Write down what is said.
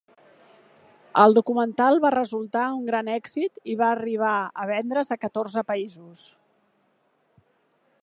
El documental va resultar un gran èxit i va arribar a vendre's a catorze països.